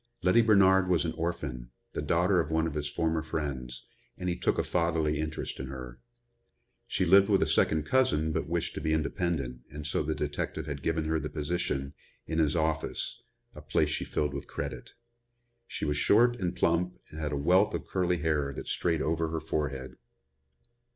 Letty Bernard was an orphan, the daughter of one of his former friends, and he took a fatherly interest in her. She lived with a second cousin, but wished to be independent and so the detective had given her the position, in his office, a place she filled with credit. She was short and plump and had a wealth of curly hair that strayed over her forehead.